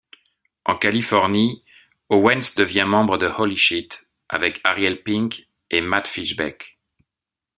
En Californie, Owens devient membre de Holy Shit avec Ariel Pink et Matt Fishbeck.